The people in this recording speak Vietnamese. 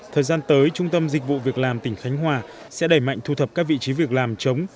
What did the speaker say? thời gian tới trung tâm dịch vụ việc làm tỉnh khánh hòa sẽ đẩy mạnh thu thập các vị trí việc làm chống